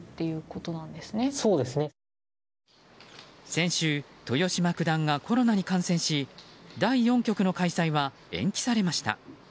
先週、豊島九段がコロナに感染し第４局の開催は延期されました。